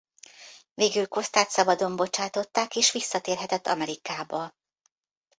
Végül Kosztát szabadon bocsátották és visszatérhetett Amerikába.